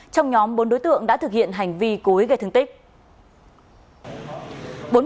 trong nhóm bốn đối tượng đã thực hiện hành vi cối gây thương tích